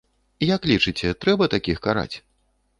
Як лічыце, трэба такіх караць?